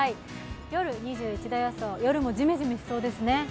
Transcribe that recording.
夜２１度予想、夜もジメジメしそうですね。